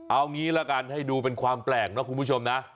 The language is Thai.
เอางี้ละกันให้ดูเป็นความแปลกนะคุณผู้ชมนะ